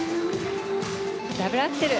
ダブルアクセル。